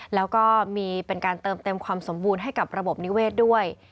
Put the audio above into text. แล้วก็มีเป็นการเติมเต็มความสมบูรณ์ให้กับระบบนิเวศด้วย